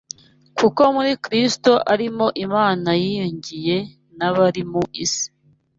Kuko muri Kristo ari mo Imana yiyungiye n’abari mu isi